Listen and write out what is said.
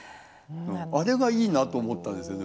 あれがいいなと思ったんですよね